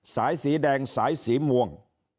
สายสีแดงสายสีม่วง